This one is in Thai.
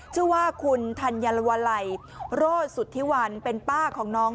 ชื่อว่าคุณธัญลวลัยโรสุทธิวันเป็นป้าของน้อง